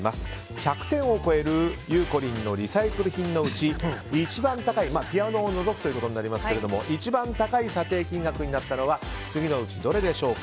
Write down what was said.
１００点を超えるゆうこりんのリサイクル品のうちピアノを除くということになりますが一番高い査定金額になったのは次のうちどれでしょうか。